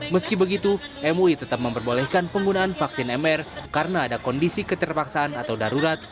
meski begitu mui tetap memperbolehkan penggunaan vaksin mr karena ada kondisi keterpaksaan atau darurat